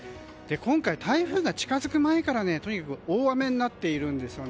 今回、台風が近づく前からとにかく大雨になっているんです。